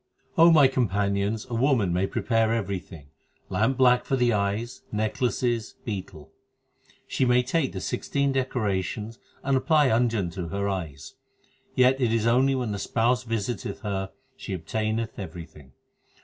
3 O my companions, a woman may prepare everything lamp black for the eyes, necklaces, betel ; She may take the sixteen decorations and apply anjan to her eyes ; Yet it is only when the spouse visiteth her she obtaineth everything.